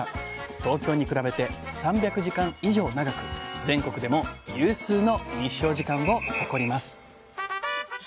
東京に比べて３００時間以上長く全国でも有数の日照時間を誇ります。